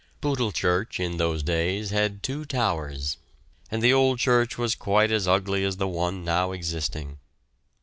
Bootle church in those days had two towers, and the old church was quite as ugly as the one now existing.